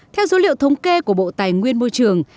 theo số liệu thống kê của bộ tài nguyên môi trường